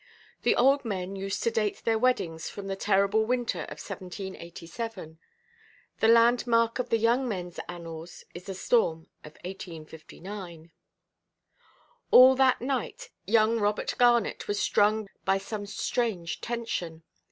The old men used to date their weddings from the terrible winter of 1787; the landmark of the young menʼs annals is the storm of 1859. All that night, young Robert Garnet was strung by some strange tension.